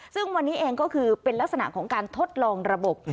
ซึ่งวันนี้เองก็คือเป็นลักษณะของการทดลองระบบ